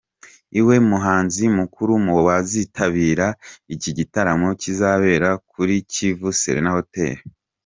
i we muhanzi mukuru mu bazitabira iki gitaramo kizabera kuri Kivu Serena Hotel.